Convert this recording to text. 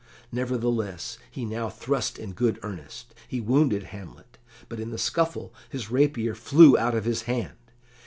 Nevertheless, he now thrust in good earnest. He wounded Hamlet, but in the scuffle his rapier flew out of his hand.